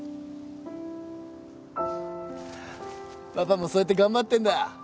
パパもそうやって頑張ってんだ。